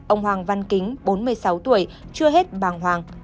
ông hoàng văn kính bốn mươi sáu tuổi chưa hết bàng hoàng